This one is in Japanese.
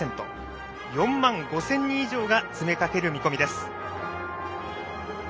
４万５０００人以上が詰めかける見込みです。